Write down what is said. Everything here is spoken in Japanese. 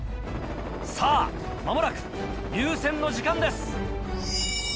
さぁ間もなく入線の時間です。